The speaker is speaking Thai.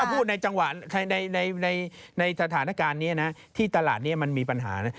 พูดในจังหวะในสถานการณ์นี้นะที่ตลาดนี้มันมีปัญหานะ